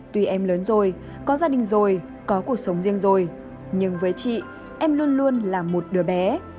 tuy em lớn rồi có gia đình rồi có cuộc sống riêng rồi nhưng với chị em luôn luôn là một đứa bé